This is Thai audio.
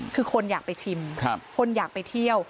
คือคนอยากไปชิมคนอยากไปเที่ยว